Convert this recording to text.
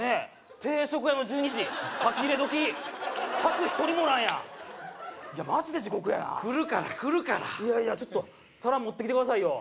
定食屋の１２時かき入れ時客一人もおらんやんいやマジで地獄やな来るから来るからいやいやちょっと皿持ってきてくださいよ